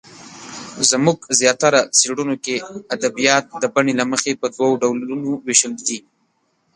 زموږ زیاتره څېړنو کې ادبیات د بڼې له مخې په دوو ډولونو وېشلې دي.